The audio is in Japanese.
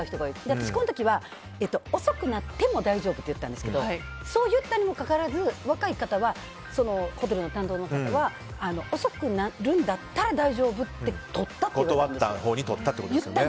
私は、この時は遅くなっても大丈夫って言ったんですけどそう言ったにもかかわらず若いホテルの担当の方は遅くなるんだったら大丈夫って取ったってことですよね。